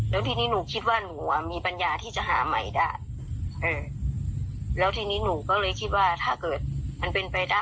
แล้วทีนี้หนูคิดว่าหนูอ่ะมีปัญญาที่จะหาใหม่ได้เออแล้วทีนี้หนูก็เลยคิดว่าถ้าเกิดมันเป็นไปได้